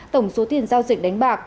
tổng số tiền giao dịch đánh bạc